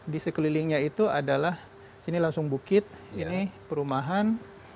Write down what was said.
di sekelilingnya itu adalah sini langsung bukit ini perumahan